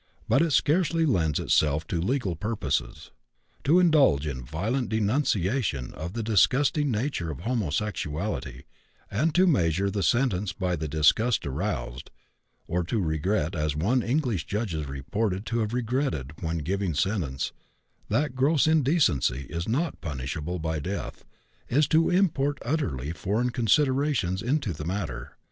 But it scarcely lends itself to legal purposes. To indulge in violent denunciation of the disgusting nature of homosexuality, and to measure the sentence by the disgust aroused, or to regret, as one English judge is reported to have regretted when giving sentence, that "gross indecency" is not punishable by death, is to import utterly foreign considerations into the matter.